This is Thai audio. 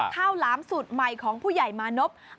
ข้าวล้ำสูตรใหม่ของผู้ใหญ่มานก